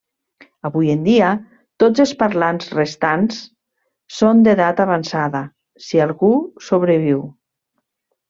Avui en dia, tots els parlants restants són d'edat avançada, si algú sobreviu.